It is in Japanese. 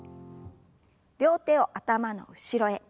両手を頭の後ろへ。